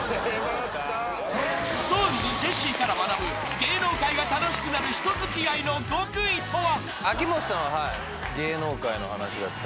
［ＳｉｘＴＯＮＥＳジェシーから学ぶ芸能界が楽しくなる人付き合いの極意とは？］